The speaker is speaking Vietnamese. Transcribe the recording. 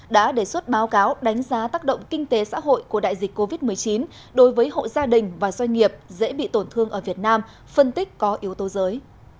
đã đề xuất báo cáo đánh giá tác động kinh tế xã hội của đại dịch covid một mươi chín đối với hộ gia đình và doanh nghiệp dễ bị tổn thương ở việt nam phân tích có yếu tố giới